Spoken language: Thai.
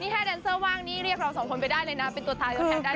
แค่แดนเซอร์ว่างนี่เรียกเราสองคนไปได้เลยนะเป็นตัวตายตัวแทนได้